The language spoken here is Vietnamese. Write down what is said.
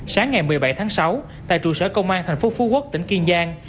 sáng ngày một mươi bảy tháng sáu tại trụ sở công an thành phố phú quốc tỉnh kiên giang